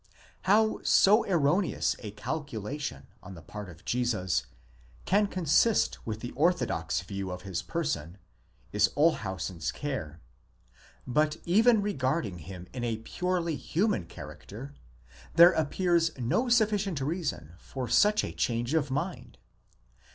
How so erroneous a calculation on the part of Jesus can con sist with the orthodox view of his person, is Olshausen's care; but 'even regarding him in a purely human character, there appears no sufficient reason for such a change of mind.